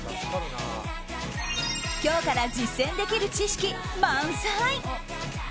今日から実践できる知識、満載。